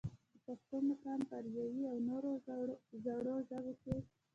د پښتو مقام پۀ اريائي او نورو زړو ژبو کښې